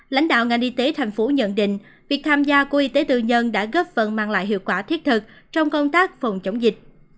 lãnh đạo ngành y tế thành phố nhận định việc tham gia của y tế tư nhân đã góp phần mang lại hiệu quả thiết thực trong công tác phòng chống dịch